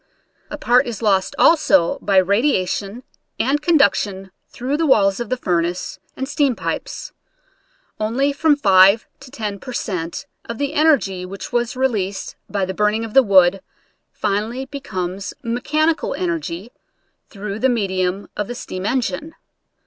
A part is lost also by radiation and conduction through the walls of the furnace and steam pipes. Only from 5 to 10 per cent, of the en ergy which was released by the burning of the wood finally becomes mechanical energy through the medium of the steam engine.